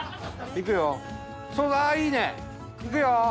いくよ！